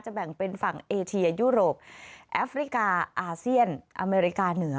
แบ่งเป็นฝั่งเอเชียยุโรปแอฟริกาอาเซียนอเมริกาเหนือ